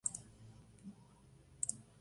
Porto ganó su cuarto título.